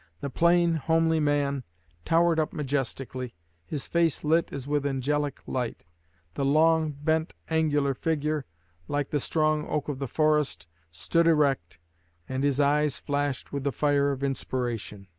The plain, homely man towered up majestically; his face lit as with angelic light; the long, bent, angular figure, like the strong oak of the forest, stood erect, and his eyes flashed with the fire of inspiration."